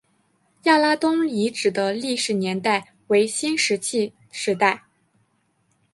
亚拉东遗址的历史年代为新石器时代。